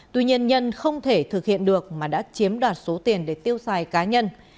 tuy nhiên nhân không thể thực hiện được mà đã chiếm đoạt số tiền để tiêu xài cá nhân